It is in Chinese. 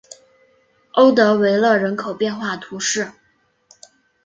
欧德维勒人口变化图示